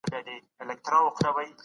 بنسټ له کوره اېښودل کيږي.